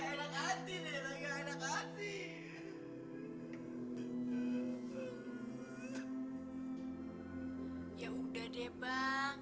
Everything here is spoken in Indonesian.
injil allah kita dapat jalan keluarnya bang